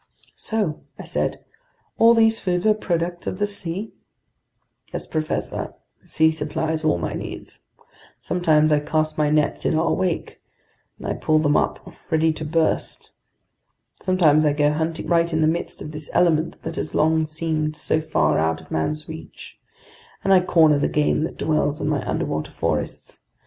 "So," I said, "all these foods are products of the sea?" "Yes, professor, the sea supplies all my needs. Sometimes I cast my nets in our wake, and I pull them up ready to burst. Sometimes I go hunting right in the midst of this element that has long seemed so far out of man's reach, and I corner the game that dwells in my underwater forests.